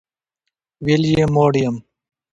ویل یې موړ یم.